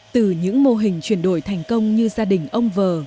từ những mô hình chuyển đổi thành công như gia đình ông vờ